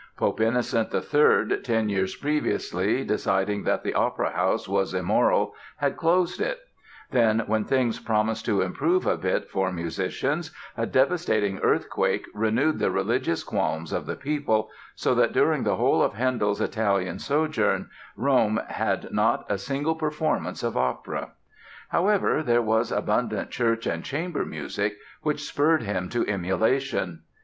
Pope Innocent III ten years previously deciding that the opera house was immoral, had closed it; then when things promised to improve a bit for musicians a devastating earthquake renewed the religious qualms of the people, so that during the whole of Handel's Italian sojourn, Rome had not a single performance of opera. However, there was abundant church and chamber music, which spurred him to emulation.